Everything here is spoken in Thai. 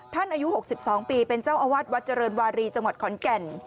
อายุ๖๒ปีเป็นเจ้าอาวาสวัดเจริญวารีจังหวัดขอนแก่น